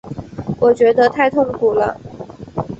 我觉得太痛苦了